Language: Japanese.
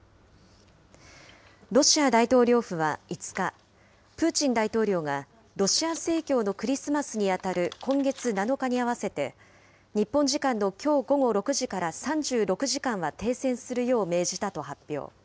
ロシア大統領府は５日、プーチン大統領が、ロシア正教のクリスマスに当たる今月７日に合わせて、日本時間のきょう午後６時から３６時間は停戦するよう命じたと発表。